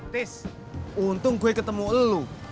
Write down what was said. tis untung gue ketemu lu